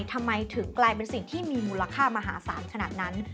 ทำไมถึงกลายเป็นสิ่งที่มีมูลค่ามหาศาลขนาดนั้น